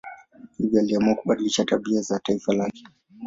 Hivyo aliamua kubadilisha tabia za taifa lake.